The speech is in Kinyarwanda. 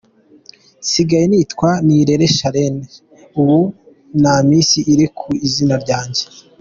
Nsigaye nitwa Nirere Shanel, ubu nta Miss iri ku izina ryanjye.